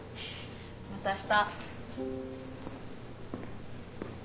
また明日。